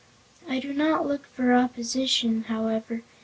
I do not look for opposition, however.